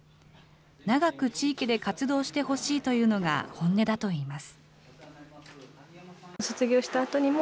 長く地域で活動してほしいというのが、本音だといいます。